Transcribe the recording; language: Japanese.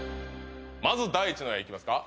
まず第一の矢いきますか？